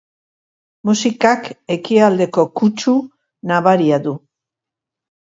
Musikak ekialdeko kutsu nabaria du.